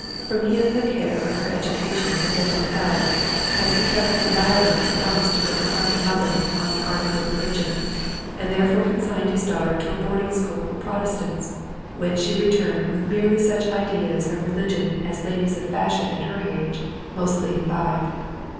From him the care of her education had been with held, as he kept inviolate his promise to her departed mother on the article of religion, and therefore consigned his daughter to a boarding school for Protestants, whence she returned with merely such ideas of religion as ladies of fashion at her age mostly imbibe.